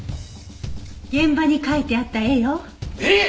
現場に描いてあった絵よ。えっ！？